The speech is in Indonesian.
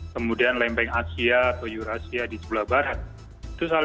kemudian lempeng asia atau eurasia di sebelah barat